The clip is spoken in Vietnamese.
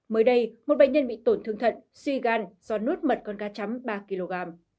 mới đây một bệnh nhân bị tổn thương thận suy gan do nút mật con cá chấm ba kg